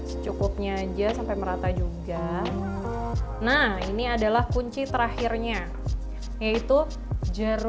secukupnya aja sampai merata juga nah ini adalah kunci terakhirnya yaitu jeruk nipis nah kita peraskan air jeruk nipis ini